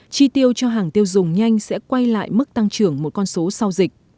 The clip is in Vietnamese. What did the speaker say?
chi tiêu cho hàng tiêu dùng nhanh sẽ quay lại mức tăng trưởng một con số sau dịch